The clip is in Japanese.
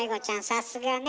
さすがね。